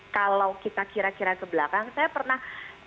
kalau kita kira kira ke belakang saya pernah